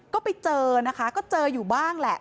ก็ไปเจอนะคะก็เจออยู่บ้างแหละ